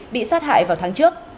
bị sát hại vào tháng trước